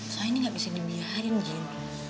soalnya ini nggak bisa dibiarin jin